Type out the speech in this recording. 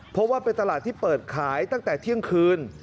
เพราะว่าเป็นตลาดที่เปิดขายตั้งแต่เที่ยงคืน